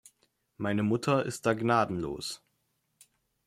Meine Mutter ist da gnadenlos.